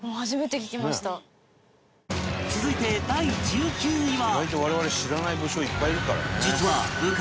続いて第１９位は